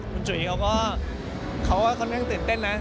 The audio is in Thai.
คุณจุ๋ยเขาก็เขาก็ค่อนข้างตื่นเต้นนะ